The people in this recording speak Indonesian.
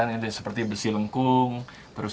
saya merasa sering bertarung otomatis